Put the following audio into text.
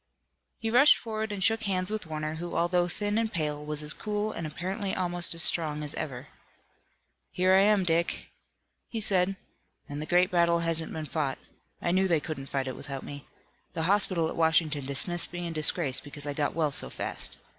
He rushed forward and shook hands with Warner who although thin and pale was as cool and apparently almost as strong as ever. "Here I am, Dick," he said, "and the great battle hasn't been fought. I knew they couldn't fight it without me. The hospital at Washington dismissed me in disgrace because I got well so fast.